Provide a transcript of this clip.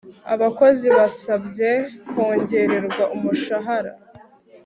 Abakozi basabye kongererwa umushahara